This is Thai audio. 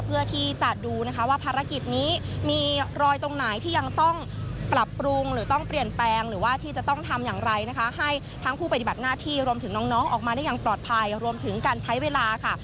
เพื่อที่จะดูนะคะว่าภารกิจนี้มีรอยตรงไหนที่ยังต้องปรับปรุงหรือต้องเปลี่ยนแปลงหรือว่าที่จะต้องทำอย่างไรนะคะให้ทั้งผู้ปฏิบัติหน้าที่รวมถึงน้องออกมาได้อย่างปลอดภัยรวมถึงการใช้เวลาค่ะ